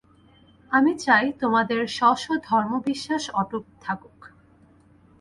আমি চাই তোমাদের স্ব স্ব ধর্মবিশ্বাস অটুট থাকুক।